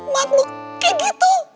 malu kayak gitu